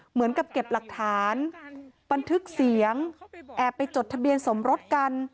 เหมือนกับเก็บหลักฐานบันทึกเสียงแอบไปจดทะเบียนสมรสกัน